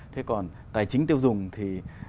thế còn tài chính tiêu dùng thì